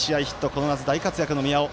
この夏、大活躍の宮尾。